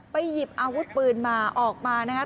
หยิบอาวุธปืนมาออกมานะครับ